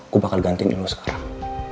gua bakal gantiin lo sekarang